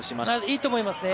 いいと思いますね。